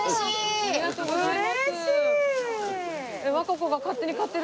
ありがとうございます。